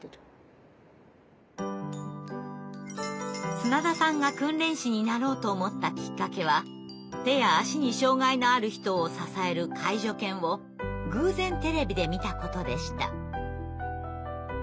砂田さんが訓練士になろうと思ったきっかけは手や足に障害のある人を支える介助犬を偶然テレビで見たことでした。